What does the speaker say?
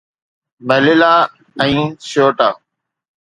Ceuta ۽ Melilla